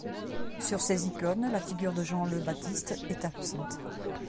Sur ces icônes la figure de Jean le Baptiste est absente.